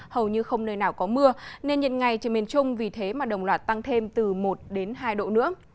hầu như không nơi nào có mưa nên nhiệt ngày trên miền trung vì thế mà đồng loạt tăng thêm từ một đến hai độ nữa